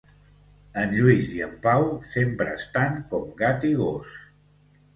En Lluís i en Pau sempre estan com gat i gos